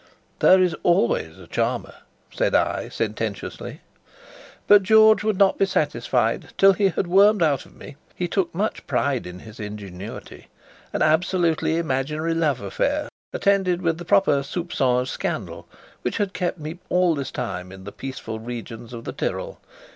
"There is always a charmer," said I, sententiously. But George would not be satisfied till he had wormed out of me (he took much pride in his ingenuity) an absolutely imaginary love affair, attended with the proper soupçon of scandal, which had kept me all this time in the peaceful regions of the Tyrol.